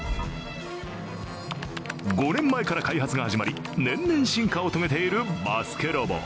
５年前から開発が始まり年々進化を遂げているバスケロボ。